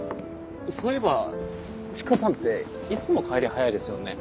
そういえばチカさんっていつも帰り早いですよね。